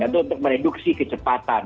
itu untuk mereduksi kecepatan